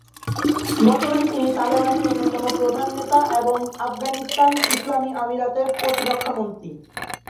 বর্তমানে তিনি তালেবানের অন্যতম প্রধান নেতা এবং আফগানিস্তান ইসলামি আমিরাতের প্রতিরক্ষামন্ত্রী।